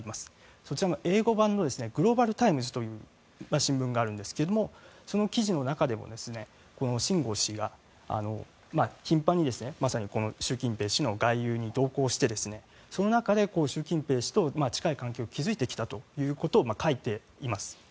そちらの英語版のグローバルタイムズという新聞があるんですがその記事の中でもシン・ゴウ氏が頻繁にまさに習近平氏の外遊に同行してその中で習近平氏と近い関係を築いてきたということを書いています。